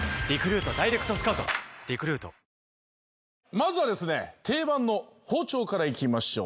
まずは定番の包丁からいきましょう。